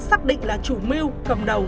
xác định là chủ mưu cầm đầu